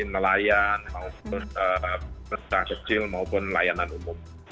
nelayan peserta kecil maupun nelayanan umum